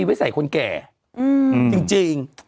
เว่ยเฮ้อ